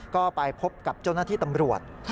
ก็ไปพบกับเจ้าหน้าที่ตำรวจ